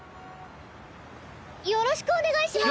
よろしくお願いします。